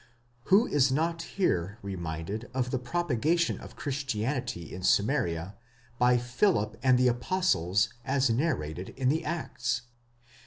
Who is not here reminded of the propagation of Christianity in Samaria by Philip and the apostles, as narrated in the Acts?!